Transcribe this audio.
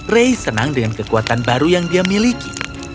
ray senang dengan kekuatan baru yang dia miliki